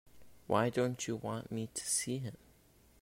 Why don't you want me to see him?